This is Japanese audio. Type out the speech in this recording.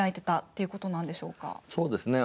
そうですね。